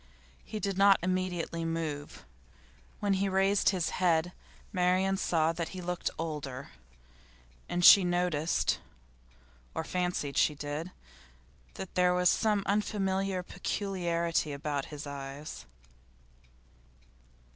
He did not immediately move. When he raised his head Marian saw that he looked older, and she noticed or fancied she did that there was some unfamiliar peculiarity about his eyes.